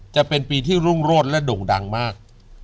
จะเป็นปีที่รุ่งโรดและโด่งดังมาก